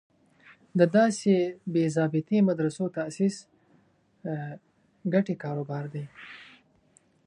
د داسې بې ضابطې مدرسو تاسیس ګټې کار و بار دی.